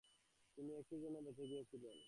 তিনি একটুর জন্য বেঁচে গিয়েছিলেন।